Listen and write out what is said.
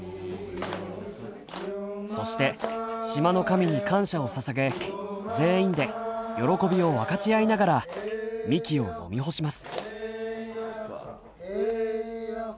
そして島の神に感謝をささげ全員で喜びを分かち合いながらみきを飲み干します。